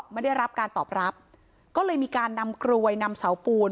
ไม่ได้รับการตอบรับก็เลยมีการนำกรวยนำเสาปูน